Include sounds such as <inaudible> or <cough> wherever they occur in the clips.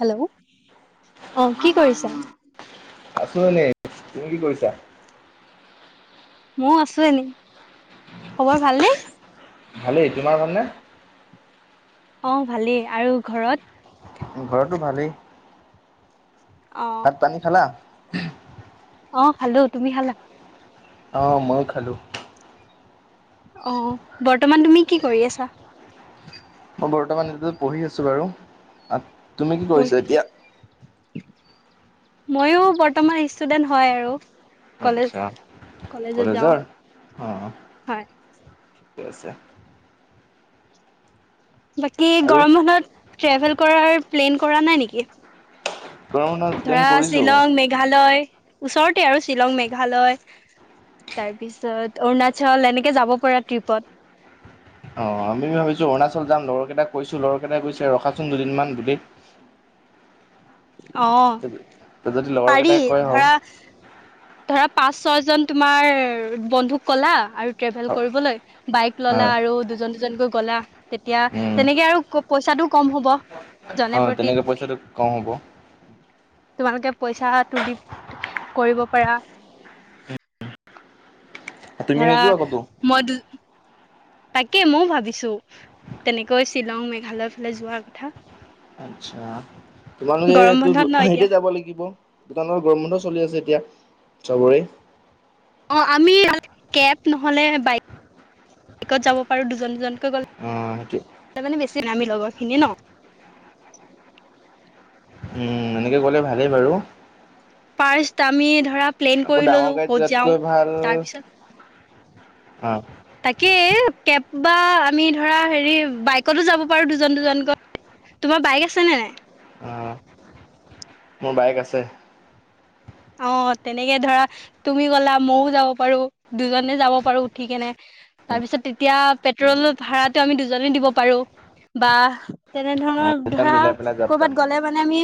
Hello, অ', কি কৰিছা? আছোঁ এনে, তুমি কি কৰিছা? ময়ো আছোঁ এনেই, খবৰ ভালনে? ভালেই, তোমাৰ ভালনে? অ', ভালেই, আৰু ঘৰত? ঘৰতো ভালেই, অ ভাত পানী খালা? অ', খালোঁ, তুমি খালা? অ', ময়ো খালোঁ। অ', বৰ্তমান তুমি কি কৰি আছা? মই বৰ্তমান এইটো পঢ়ি আছোঁ বাৰু, তুমি কি কৰিছা এতিয়া? ময়ো বৰ্তমান ষ্টুডেন্ট হয় আৰু। কলেজ আচ্ছা, কলেজত যাওঁ কলেজৰ? অহ। হয়। ঠিক আছে। বাকী আৰু গৰম বন্ধত ট্ৰেভেল কৰাৰ প্লেন কৰা নাই নেকি? গৰম বন্ধৰ প্লেন ধৰা কৰিছো। শ্বিলং, মেঘালয় ওচৰতে আৰু শ্বিলং, মেঘালয়। তাৰপিছত অৰুণাচল এনেকে যাব পৰা ট্ৰিপত। অ', আমি ভাবিছোঁ, অৰুণাচল যাম, লগৰকেইটাক কৈছোঁ, লগৰকেইটাই কৈছে ৰখাচোন দুদিনমান বুলি। <inaudible> অ', যদি লগৰ পাৰি, কেইটাই কয় হও ধৰা ধৰা পাঁচ ছয়জন তোমাৰ বন্ধুক ক'লা আৰু ট্ৰেভেল কৰিবলৈ, বাইক হয় ল'লা আৰু দুজন দুজনকৈ গ'লা, তেতিয়া উম তেনেকে আৰু পইচাটোও কম হ'ব। জনে অ', প্ৰতি তেনেকে পইচাটো কম হ'ব। তোমালোকে পইচা তুলি কৰিব পাৰা। তুমি ধৰা নোযোৱা ক'তো? মই দু তাকেই, ময়ো ভাবিছোঁ, তেনেকৈ শ্বিলং মেঘালয়ৰ ফালে যোৱাৰ কথা। আচ্ছা, গৰম তোমালোকেটো বন্ধত ন এতিয়া হেৰিতে যাব লাগিব। দোকানৰ গৰমবন্ধ চলি আছে এতিয়া, চবৰে। অ আমি কেব নহ'লে বাইক, বাইকত যাব পাৰো দুজন দুজন অ', সেইটোৱেই। নামি লগৰ খিনি ন উম এনেকে গলে ভালেই বাৰু ফাৰস্ত আমি ধৰা প্লেন আকৌ কৰি ডাঙৰ ললো গাড়ীত ক'ত যাওঁ যোৱাতকৈ ভাল তাৰপিছত অ তাকেই কেব বা আমি ধৰা হেৰি বাইকতো যাব পাৰো দুজন দুজন গৈ তোমাৰ বাইক আছে নে নাই অ মোৰ বাইক আছে অ তেনেকে ধৰা তুমি গলা মইও যাব পাৰো দুজনে যাব পাৰো উঠি কেনে তাৰপিছত তেতিয়া পেট্ৰল ভাড়াতো আমি দুজনী দিব পাৰো বা তেনে অ ধৰণৰ তেতিয়া ধৰা মিলাই পেলাই যাব কৰ'বাত পাৰিম গ'লে মানে আমি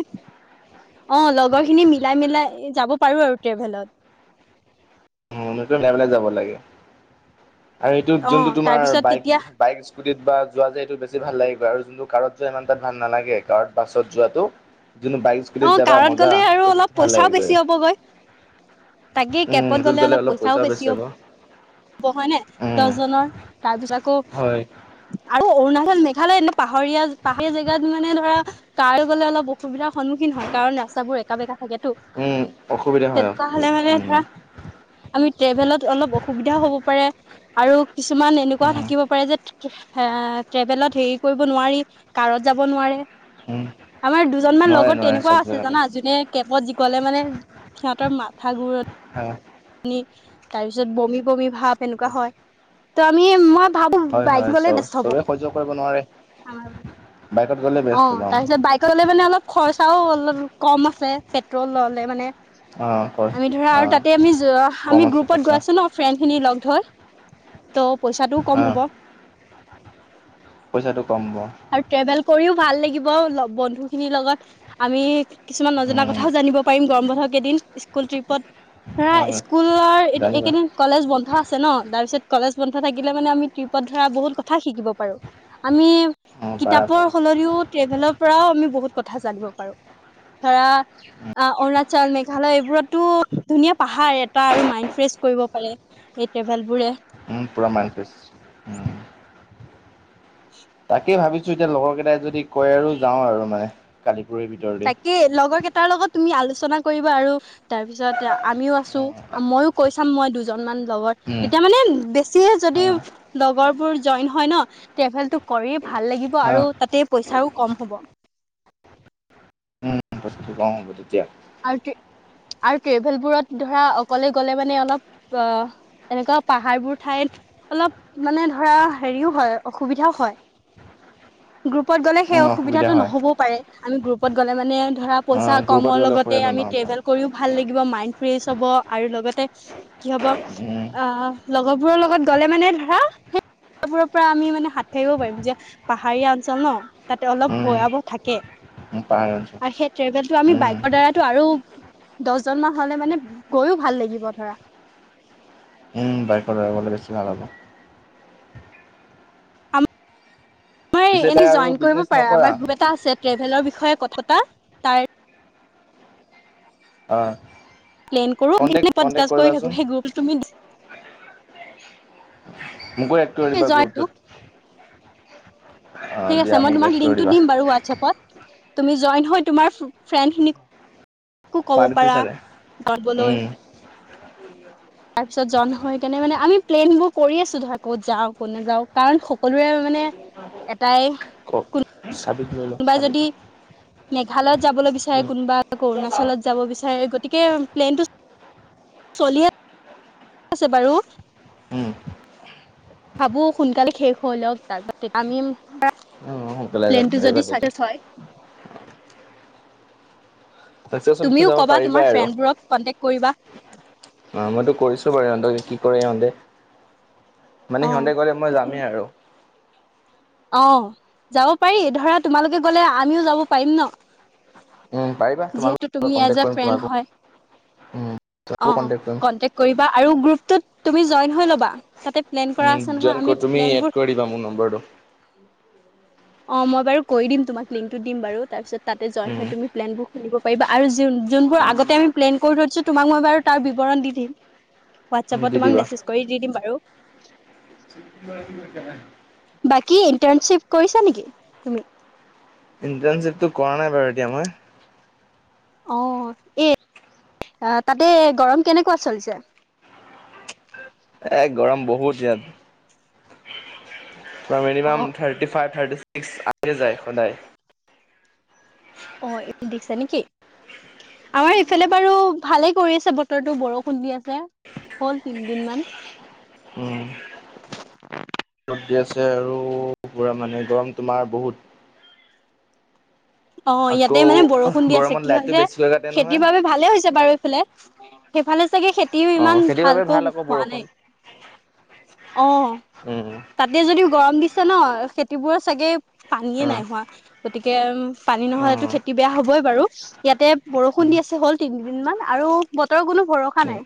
অ লগৰ খিনি মিলাই মিলাই যাব পাৰো আৰু ট্ৰেভেলত লবেলাই যাব লাগে আৰু এইটোত অ যোনটো তোমাৰ তাৰপিছত বাইক তেতিয়া বাইক স্কুতিত বা যোৱা যায় এইটো বেছি ভাল লাগিব আৰু যোনটো কাৰত যোৱা ইমান তাত ভাল নালাগে কাৰ বাছত যোৱাতটো অ কাৰত গ'লে আৰু অলপ ভাল পইচাও লাগে গৈ বেছি হ'বগৈ তাকে কেপত গ'লে অলপ পইচাও বেছি হ'ব হয়নে উম দহজনৰ তাৰ পিছত আকৌ হয় আৰু অৰুণাচ মেঘালয় এ পাহাৰীয়া পাহাৰীয়া জেগাত মানে ধৰা কাৰ গ'লে অলপ অসুবিধা সন্মুখীন হয় কাৰণ ৰাস্তাবোৰ একা বেকা থাকেটো উম, অসুবিধা হয় তেনেকুৱা হলে অসুবিধা মানে উম, ধৰা আমি ট্ৰেভেলত অলপ অসুবিধাও হ'ব পাৰে আৰু কিছুমান এনেকুৱা উম, থাকিব পাৰে যে ট্ৰেভেলত হেৰি কৰিব নোৱাৰি কাৰত যাব নোৱাৰে উম। আমাৰ দুজনমান লগ নোৱাৰে ও নোৱাৰে তেনেকুৱা চব আছে জেগাতে জানা, জোনে কেপত গলে মানে সিহঁতৰ মাথা ঘুৰণি হয়। তাৰ পিছত, বমি বমি ভাপ এনেকুৱা হয় ত আমি মই ভাবো হয় বাইক হয় চ গলে বেষ্ট হব। চবে সহ্য কৰিব নোৱাৰে বাইকত গ'লে অ বেষ্ট পাম তাৰপিছত বাইক গলে মানে অলপ খৰচ চাও অলপ কম আছে। পেট্ৰল ললে মানে, অ' হয়। আমি ধৰা আৰু অ' তাতে আমি কম আমি আছে গ্ৰুপত গৈ খৰচা আছো ন ফ্ৰেণ্ড খিনি লগ ধৈ। ত' পইচাটোও কম অ' হ'ব। পইচাটো কম হ'ব। আৰু ট্ৰেভেল কৰিও ভাল লাগিব। বন্ধু খিনিৰ লগত আমি কিছুমান নজনা উম। কথাও জানিব পাৰিম গৰম বন্ধত। ধ কেইদিন স্কুল ট্ৰিপত। ধৰা অ' স্কুলৰ জানিবা এইকেইদিন কলেজ বন্ধ আছে ন। তাৰপিছত কলেজ বন্ধ থাকিলে, মানে আমি ট্ৰিপত ধৰা বহুত কথা শিকিব পাৰো। আমি অ' পাৰা কিতাপৰ পাৰা সলনিও ট্ৰেভেলৰ পৰাও আমি বহুত কথা জানিব পাৰো। ধৰা অৰুণাচল মেঘালয় এইবোৰতো ধুনীয়া পাহাৰ এটা আৰু মাইণ্ড ফ্ৰেচ কৰিব পাৰে এই ট্ৰেভেল বোৰে। পূৰা মাইণ্ড ফেছ। তাকেই ভাবিছো, এতিয়া লগৰ কেইটাই যদি কয় আৰু যাওঁ আৰু মানে। কালিপুৰীৰ ভিতৰতে। তাকেই লগৰ কেইটাৰ লগত তুমি আলোচ চনা কৰিব আৰু তাৰপিছত আমিও আছো। অ' মইও কৈ চাম মই দুজনমান লগত। উম, তেতিয়া মানে বেছিয়ে যদি অ' লগৰবোৰ জইন হয় ন ট্ৰেভেলটো কৰি ভাল লাগিব অ' আৰু তাতে পইচাও কম হ'ব। অহ তেতিয়া। আৰু তি আৰু ট্ৰেভেল বোৰত ধৰা অকলে গ'লে মানে, অলপ অ এনেকুৱা পাহাৰবোৰ ঠাইত অলপ মানে ধৰা হেৰিও হয়, অসুবিধাও হয়। গ্ৰুপত গ'লে সেই উম, অসুবিধা অসুবিধাটো হয়। নহ'বও পাৰে। আমি গ্ৰুপত গ'লে মানে ধৰা পইচা কমৰ লগত তে আমি ট্ৰেভেল কৰিও ভাল লাগিব মাইণ্ড ফ্ৰেচ হব আৰু লগতে কি হব উম, আহ লগৰবোৰৰ লগত গলে মানে ধৰা বোৰৰ পৰা আমি মানে হাত খাৰিব পাৰিম যে, পাহাৰীয়া অঞ্চল ন তাতে অলপ উম, ভয়াৱহ থাকে। উম, পাহাৰ অঞ্চল আৰু সেই ট্ৰেভেলটো আমি উম, বাইকৰ দ্বাৰা দহজন মান হ'লে মানে গৈও ভাল লাগিব ধৰা। উম, বাইকত ড্ৰাইভ কৰিবলৈ বেছি ভাল হ'ব। পিছে এনে তাই আৰু জইন কৰিব বিজনেছ পাৰা নকৰা আমাৰ গ্ৰুপ এটা আছে ট্ৰেভেলৰ বিষয়ে কথা পাতা। তাৰ অ'। প্লেন কৰো <unintelligible> কৰি কণ্টেক্ট কণ্টেক্ট থাকো কৰিবাচোন সেই গ্ৰুপটোত তুমি মোকো এড কৰি দিবা জইনটো গ্ৰুপটোত। অ', ঠিক আছে দিয়া মই মোক তোমাক এড কৰি লিংকটো দিবা দিম বাৰু হোৱাটছএপত। তুমি জইন হৈ তোমাৰ ফ্ৰেণ্ডখিনিক <unintelligible> ছাৰে যাবলৈ উম। তাৰপিছত জৈন হৈ কেনে মানে আমি প্লেনবোৰ কৰি আছো ধৰা। ক'ত যাওঁ ক'ত নাযাওঁ। কাৰণ সকলোৰে মানে এটায়ে কোনো চাবিটো লৈ ল' চাবিতো। ভালত যাবলৈ বিচাৰে কোনোবা অৰুণাচলত আকৌ যাব বিচাৰে। গতিকে প্লেনটো চলি আ আছে বাৰু। উম, ভাবো সোনকালে শেষ হৈ ল'ক। তাৰপাছ আমি অ', সোনকালে যাব প্লেনটো পাৰিবা যদি তেতিয়া চাকচেচ হয়। চাকচেছফুলতো তুমিও যাব ক'বা পাৰিবাই তোমাৰ আৰু ফ্ৰেণ্ডবোৰক কনটেক কৰিবা। অ', মইতো কৰিছো বাৰু ইহঁতে কি কৰে সিঁহতে। মানে অ সিহঁতে গ'লে মই যামেই আৰু। অ', যাব পাৰি ধৰা তোমালোকে গ'লে আমিও যাব পাৰিম ন। উম, পাৰিবা যিহেতু তোমালোক তুমি কণ্টেক্ট এজ এ কৰিম তোমাকো ফ্ৰেণ্ড হয়। উম, তোমাকো আহ কণ্টেক্ট কৰিম। কণ্টেক্ত কৰিবা আৰু গ্ৰুপটোত তুমি জৈন হৈ ল'বা। প্লেন কৰা উম, আছে জইন নহয়। কৰি আমি তুমি এড প্লেনবোৰ কৰি দিবা মোৰ নম্বৰটো। অ', মই বাৰু কৈ দিম তোমাক লিংকটো দিম বাৰু তাৰপিছত তাতে জৈন উম, হৈ তুমি প্লেন পাৰিবা আৰু যোনবোৰ আগতে আমি প্লেন কৰি থৈছো তোমাক মই বাৰু তাৰ বিৱৰণ দি দিম। উম, হোৱাটছএপত দি তোমাক দিবা। মেছেজ কৰি দি দিম বাৰু। <inaudible> বাকী ইণ্টাৰ্ণশ্বিপ কৰিছা নেকি তুমি? ইণ্টাৰ্ণশিপতটো কৰা নাই বাৰু এতিয়া আমাৰ। অ', এ তাতে গৰম কেনেকুৱা চলিছে? এ গৰম বহুত ইয়াত। মিনিমাম অ থাৰ্টি ফাইভ, থাৰ্টি ছিক্স আহিয়ে যায় সদায়। অ', <unintelligible> দিছে নেকি? আমাৰ ইফালে বাৰু ভালে কৰি আছে বতৰটো বৰষুণ দি আছে। হ'ল তিনদিন মান। উম, ৰ'দ দি আছে আৰু পুৰা মানে গৰম তোমাৰ বহুত। অ', আকৌ ইয়াতে মানে বৰষুণ দি আছে। গৰমত কি লাইটটো হৈছে বেছিকৈ কাটে খেতিৰ নহয়। বাবে ভালে হৈছে বাৰু এইফালে। সেইফালে চাগে, খেতিও অ' ইমান খেতিৰ বাবে ভাল ভালকৈ আকৌ হোৱা বৰষুণ। নাই। অ', উম, তাতে যদিও গৰম দিছে ন খেতিবোৰ চাগে পানীয়ে অ', নাই হোৱা। গতিকে উম পানী নহ'লেতো অ', খেতি বেয়া হ'বই বাৰু ইয়াতে বৰষুণ উম, দি আছে হ'ল তিনিদিন মান আৰু বতৰৰ কোনো ভৰসা উম। নাই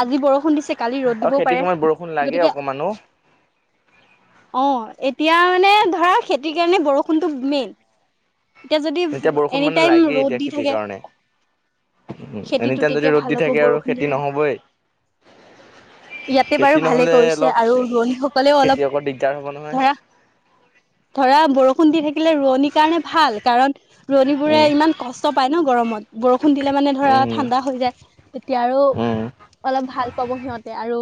আজি বৰষুণ দিছে কালি ৰ'দ আৰু দিবও খেতিৰ পাৰে। সময়ত বৰষুণ লাগে গতিকে অকমানো। অ', এতিয়া মানে ধৰা খেতিৰ কাৰণে বৰষুণটো মেইন। এতিয়া যদি এতিয়া বৰষুণ এনি মানে টাইম লাগেই ৰ'দ এতিয়া দি খেতিৰ থাকে। কাৰণে। খেতিটো এনিটাইম যদি তেতিয়া ৰ'দ ভাল দি হ'ব থাকে আৰু বৰষুণ খেতি দিলে। নহ'বই ইয়াতে বাৰু খেতি ভালে। নহ'লে কৰিছে অলপ আৰু ৰোৱনী সকলেও অলপ খেতিয়কৰ দিগদাৰ হ'ব নহয় ধৰা-ধৰা বৰষুণ দি থাকিলে, ৰোৱনিৰ কাৰণে ভাল কাৰণ ৰোৱনীবোৰে উম ইমান কষ্ট পায় ন' গৰমত। বৰষুণ দিলে মানে ধৰা উম ঠাণ্ডা হৈ যায়, তেতিয়া আৰু উম অলপ ভাল। পাব সিহঁতে আৰু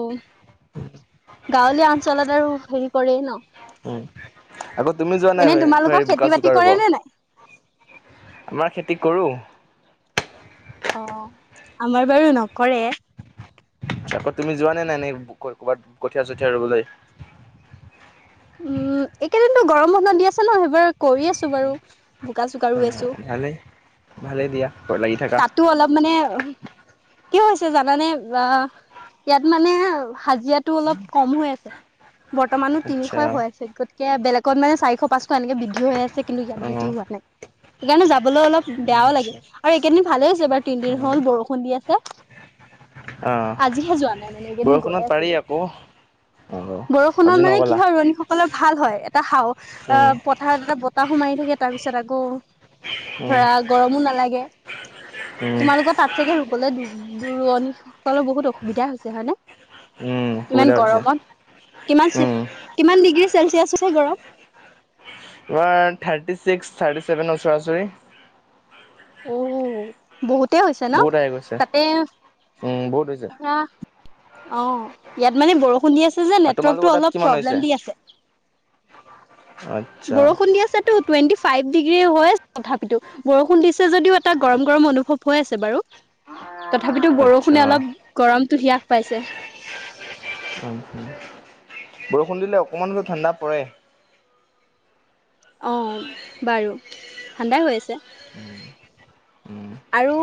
গাঁৱলীয়া অঞ্চলত আৰু হেৰি কৰেই ন'। উম, আকৌ তুমি যোৱা নাই এনে তোমালোকৰ হেৰি খেতি বাতি বোকা-চোকা ৰুব। কৰে নে নাই আমাৰ খেতি কৰোঁ। অহ, আমাৰ বাৰু নকৰে। আকৌ তুমি যোৱা নে নাই, নে ক'ৰবাত কঠীয়া-চঠীয়া ৰোবলৈ। উম, একৈইদিনো গৰম বন্ধ দি আছে ন'। সেইবাৰ কৰি আছোঁ বাৰু। বোকা-চোকা অ ৰুই আছোঁ। ভালেই ভালেই দিয়া ঘৰত লাগি থাকা তাতো অলপ মানে, কি হৈছে জানানে অহ। ইয়াত মানে হাজিৰাটো অলপ কম হৈ আছে। বৰ্তমানো তিনিশ আচ্ছা হৈ আছে। গতিকে বেলেগত মানে চাৰিশ, পাঁচশ এনেকে বৃদ্ধি হৈ আছে কিন্তু ইয়াত অ বৃদ্ধি হোৱা নাই। সেইকাৰণে যাবলৈ অলপ বেয়াও লাগে আচ্ছা আৰু এইকেইদিন ভালে হৈছে এইবাৰ তিনদিন হ'ল বৰষুণ দি আছে। অহ, আজিহে যোৱা নাই মানে এইকেইদিন গৈয়ে বৰষুণত আছিলো। পাৰি আকৌ অহ। বৰষুণত মানে কি হয়, ৰোৱনীসকলৰ ভাল হয়। এটা হাও উম অহ, পথাৰত এটা বতাহো মাৰি থাকে। তাৰপিছত আকৌ উম ধৰা, গৰমো নালাগে। উম তোমালোকৰ তাত চাগে ৰুবলৈ দূৰণিসকলৰ বহুত অসুবিধা হৈছে হয়নে। উম অসুবিধা কিমান হৈছে গৰমত, কিমান চে উম কিমান ডিগ্ৰী? চেলচিয়াছ আছে গৰম। তোমাৰ থাৰ্টি ছিক্স, থাৰ্টি চেভেন ওচৰা ওচৰি। উম। বহুতে হৈছে ন, বহুত আহি গৈছে তাতে উম বহুত হৈছে ধৰা অহ, ইয়াত মানে বৰষুণ দি আছে যে, আৰু তোমালোকৰ নেটৱৰ্কটো তাত অলপ কিমান হৈছে প্ৰব্লেম দি আছে। আচ্ছা বৰষুণ দি আছেটো টুৱেণ্টি ফাইভ ডিগ্ৰী হয় আছে তথাপিতো, বৰষুণ দি যদিও এটা গৰম-গৰম অনুভৱ হৈ আছে বাৰু। তথাপিতো আচ্ছা বৰষুণে অলপ গৰমটো হ্ৰাস পাইছে। বৰষুণ দিলে অকমান হ'লেও ঠাণ্ডা পৰে। অহ, বাৰু ঠাণ্ডাই হৈ আছে। উম। আৰু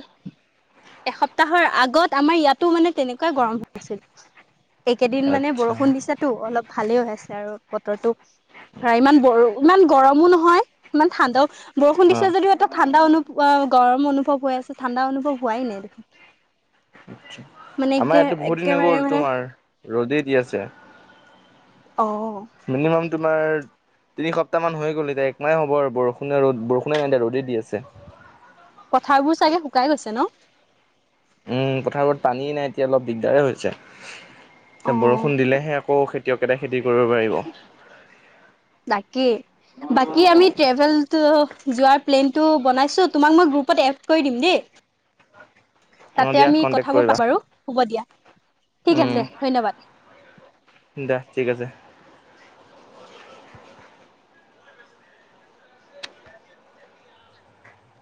এসপ্তাহৰ আগত আমাৰ ইয়াতো মানে তেনেকুৱাই গৰম হৈ আছিল। এইকেইদিন মানে আচ্ছা বৰষুণ দিছেতো অলপ ভালে হৈ আছে। আৰু বতৰটো ধৰা ইমান বৰ ইমান গৰমো নহয় ইমান ঠাণ্ডাও বৰষুণ অ দিছে যদিও এটা ঠাণ্ডা অনুভৱ অহ, গৰম অনুভৱ হৈ আছে, ঠাণ্ডা অনুভৱ হোৱাই নাই দেখোন। আচ্ছা মানে আমাৰ একদে ইয়াতো বহুত দিনে একেবাৰে গ'ল মানে তোমাৰ ৰ'দেই দি আছে। অ', মিনিমাম তোমাৰ তিনি সপ্তাহ মান হৈ গ'ল এতিয়া, একমাহে হ'ব বৰষুণে ৰ'দ বৰষুণেই নাই দিয়া ৰ'দে দি আছে। পথাৰবোৰ চাগে শুকাই গৈছে ন। উম, পথাৰবোৰত পানী নাই এতিয়া অলপ দিগদাৰে হৈছে, এতিয়া অ', বৰষুণ দিলেহে অকমা আকৌ খেতিয়ক এটাই খেতি কৰিব পাৰিব। কি? বাকী আমি ট্ৰেভেলটো যোৱাৰ প্লেনটো বনাইছোঁ তোমাক মই গ্ৰুপ এদ কৰি দিম দেই। অ তাতে দিয়া আমি কণ্টেক্ট কথাবোৰ কৰিবা পাতিম বাৰু। হ'ব দিয়া, ঠিক আছে ধন্যবাদ। দিয়া ঠিক আছে।